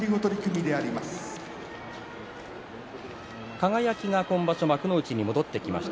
輝が幕内に戻ってきました